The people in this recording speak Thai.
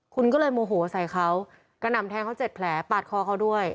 คุณก็เลยโมโหใส่เขากระหน่ำแทงเขา๗แผลปาดคอเขาด้วย